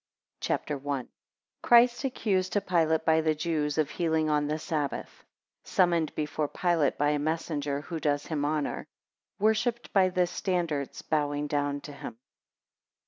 CHAPTER I. 1 Christ accused to Pilate by the Jews of healing on the Sabbath. 9 Summoned before Pilate by a messenger who does him honour. 20 Worshipped by the standards bowing down to him.